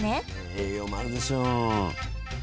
栄養もあるでしょう。